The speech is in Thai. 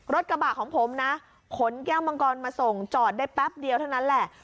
กระบะของผมนะขนแก้วมังกรมาส่งจอดได้แป๊บเดียวเท่านั้นแหละ